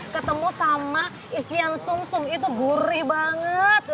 ketemu sama isian sum sum itu gurih banget